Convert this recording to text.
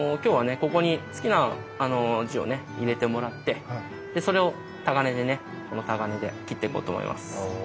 ここに好きな字を入れてもらってそれを鏨でねこの鏨で切っていこうと思います。